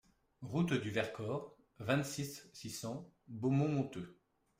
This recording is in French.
Route du Vercors, vingt-six, six cents Beaumont-Monteux